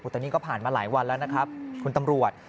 แต่นี่ก็ผ่านมาหลายวันแล้วนะครับคุณตำรวจ